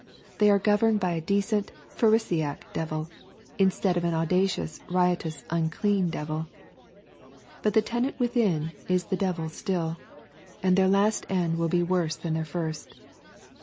They are governed by a decent, Pharisaic devil, instead of an au dacious, riotous, unclean devil. — But the tenant within is the devil still. And their last end will be worse than their first.